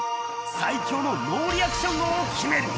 最強のノーリアクション王を決める。